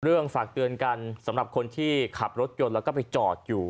ฝากเตือนกันสำหรับคนที่ขับรถยนต์แล้วก็ไปจอดอยู่